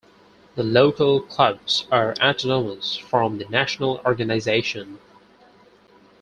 The local clubs are autonomous from the national organization.